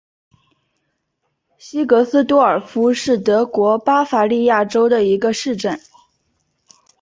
西格斯多尔夫是德国巴伐利亚州的一个市镇。